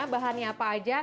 bahannya apa aja